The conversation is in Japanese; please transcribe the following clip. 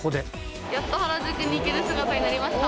やっと原宿に行ける姿になりました。